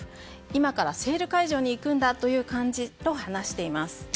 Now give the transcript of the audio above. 今からセール会場に行くんだという感じと話しています。